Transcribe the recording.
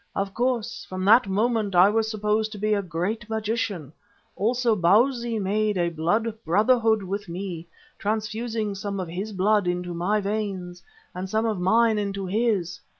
"Of course, from that moment I was supposed to be a great magician. Also Bausi made a blood brotherhood with me, transfusing some of his blood into my veins and some of mine into his.